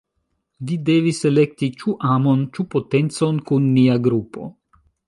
Vi devis elekti ĉu amon, ĉu potencon kun nia grupo.